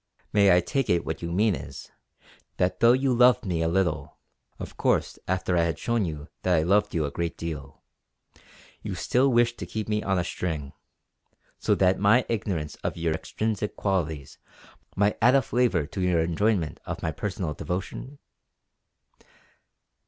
"May I take it that what you mean is, that though you loved me a little of course after I had shown you that I loved you a great deal you still wished to keep me on a string; so that my ignorance of your extrinsic qualities might add a flavour to your enjoyment of my personal devotion?"